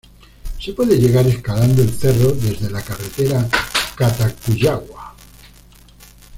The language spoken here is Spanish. Se puede llegar escalando el Cerro desde la carretera Cata-Cuyagua.